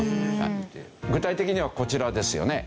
具体的にはこちらですよね。